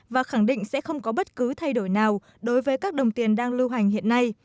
và khẳng định sẽ không có bất cứ thay đổi nào đối với các đồng tiền đang lưu hành hiện nay